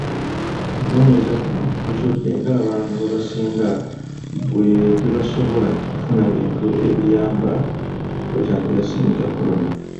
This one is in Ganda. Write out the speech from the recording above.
Okunoonyereza kuno kuzudde ng'abantu abasinga bwe tebasobola kufuna bintu ebiyamba okwetangira Ssennyiga Corona.